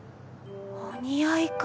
お似合いか。